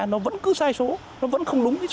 nó vẫn cứ sai số nó vẫn không đúng